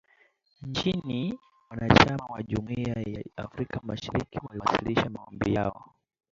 Nchini wanachama wa Jumuiya ya Afrika Mashariki waliwasilisha maombi yao